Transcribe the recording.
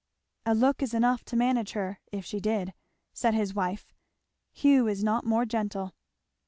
"A look is enough to manage her, if she did," said his wife. "Hugh is not more gentle."